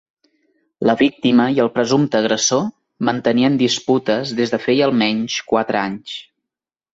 La víctima i el presumpte agressor mantenien disputes des de feia almenys quatre anys.